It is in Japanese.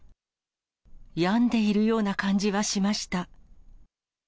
病んでいるような感じはしました。